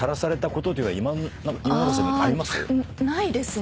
ないですね。